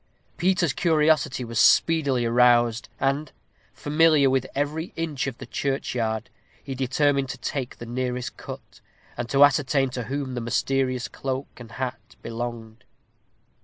Peter's curiosity was speedily aroused, and, familiar with every inch of the churchyard, he determined to take the nearest cut, and to ascertain to whom the mysterious cloak and hat belonged.